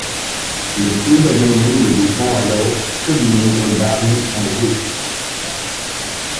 Le taux d'abandon ne dépend alors que du nombre d'armes en jeu.